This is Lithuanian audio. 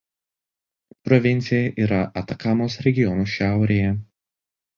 Provincija yra Atakamos regiono šiaurėje.